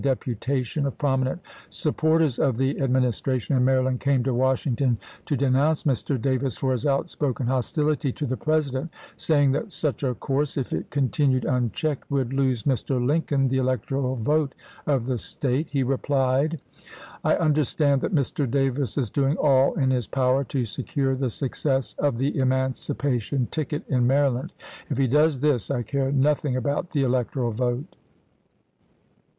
a deputation of prominent supporters of the Ad ministration in Maryland came to Washington to denounce Mr. Davis for his outspoken hostility to the President, saying that such a course, if it con tinued unchecked, would lose Mr. Lincoln the electoral vote of the State, he replied :" I under stand that Mr. Davis is doing all in his power to secure the success of the emancipation ticket in Maryland. If he does this, I care nothing about the electoral vote."